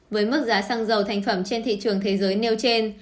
với mức giá xăng dầu thành phẩm trên thị trường thế giới nêu trên